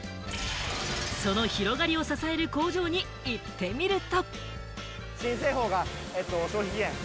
その広がりを支える工場に行ってみると。